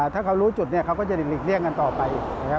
ถ้าเขารู้จุดเนี่ยเขาก็จะหลีกเลี่ยงกันต่อไปนะครับ